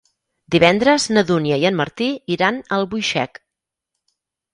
Divendres na Dúnia i en Martí iran a Albuixec.